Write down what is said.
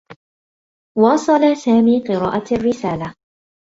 واصل سامي قراءة الرّسالة.